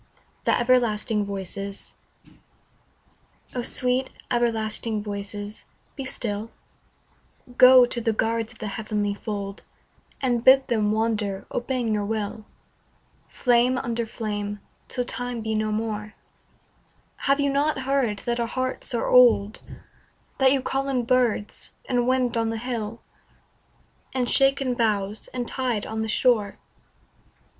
THE EVERLASTING VOICES O SWEET everlasting Voices be still; Go to the guards of the heavenly fold And bid them wander obeying your will Flame under flame, till Time be no more; Have you not heard that our hearts are old, That you call in birds, in wind on the hill, In shaken boughs, in tide on the shore?